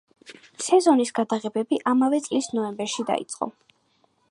სეზონის გადაღებები ამავე წლის ნოემბერში დაიწყო.